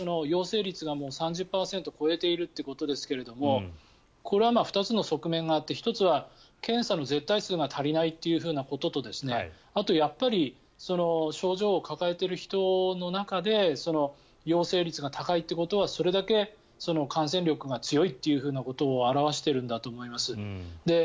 陽性率がもう３０％を超えているということですがこれは２つの側面があって１つは検査の絶対数が足りないということとあとは症状を抱えている人の中で陽性率が高いということはそれだけ感染力が強いということを表しているんだと思います。